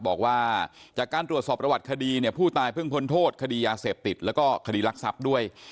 บอกว่าจากการตรวจสอบประวัติคดีเนี่ยผู้ตายเพิ่งพ้นโทษคดียาเสพติดแล้วก็คดีรักทรัพย์ด้วย